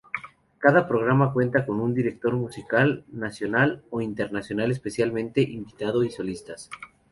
Cada programa cuenta con un director musical nacional o internacional especialmente invitado y solistas.